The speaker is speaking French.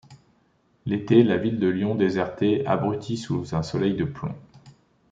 L'été la ville de Lyon désertée, abrutie sous un soleil de plomb.